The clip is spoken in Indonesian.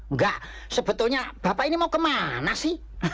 nggak sebetulnya bapak ini mau ke mana sih